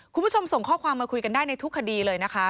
คุณผู้ชมส่งข้อความมาคุยกันได้ในทุกคดีเลยนะคะ